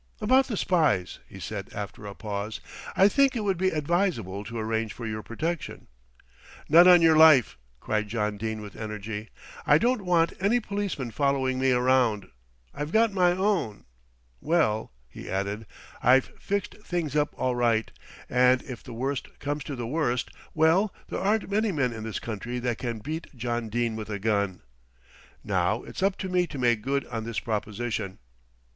"About the spies," he said after a pause. "I think it would be advisable to arrange for your protection." "Not on your life!" cried John Dene with energy. "I don't want any policemen following me around. I've got my own well," he added, "I've fixed things up all right, and if the worst comes to the worst, well there aren't many men in this country that can beat John Dene with a gun. Now it's up to me to make good on this proposition."